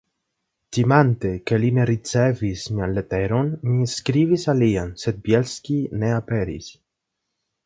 Timante, ke li ne ricevis mian leteron, mi skribis alian, sed Bjelski ne aperis.